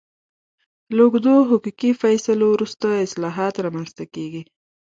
له اوږدو حقوقي فیصلو وروسته اصلاحات رامنځته کېږي.